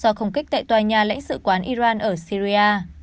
do không kích tại tòa nhà lãnh sự quán iran ở syria